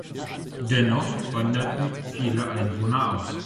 Dennoch wanderten viele Einwohner aus.